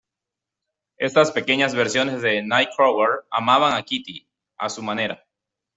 Estas pequeñas versiones de Nightcrawler amaban a Kitty, a su manera.